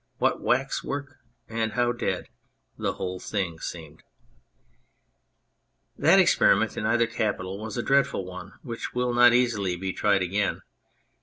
What waxwork, and how dead the whole thing seemed ! That experiment in either capital was a dreadful one, which will not easily be tried again.